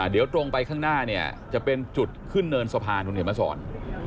เดี๋ยวตรงไปข้างหน้าเนี่ยจะเป็นจุดขึ้นเนินสะพานคุณเห็นมาสอน